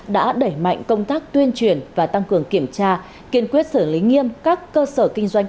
đã đẩy mạnh công tác tuyên truyền và tăng cường kiểm tra kiên quyết xử lý nghiêm các cơ sở kinh doanh